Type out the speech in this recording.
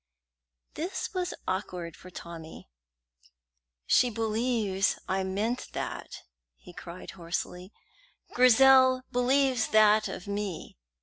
This was awkward for Tommy. "She believes I meant that," he cried hoarsely. "Grizel believes that of me!